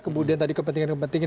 kemudian tadi kepentingan kepentingan